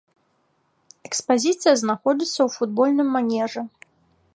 Экспазіцыя знаходзіцца ў футбольным манежы.